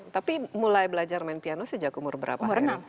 tapi mulai belajar main piano sejak umur berapa